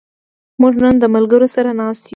موږ نن د ملګرو سره ناست یو.